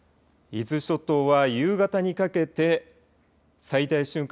伊豆諸島は夕方にかけて最大瞬間